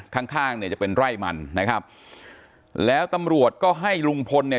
ข้างข้างเนี่ยจะเป็นไร่มันนะครับแล้วตำรวจก็ให้ลุงพลเนี่ย